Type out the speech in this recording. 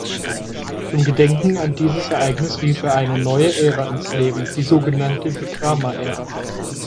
Zum Gedenken an dieses Ereignis rief er eine neue Ära ins Leben, die so genannte „Vikrama-Ära“.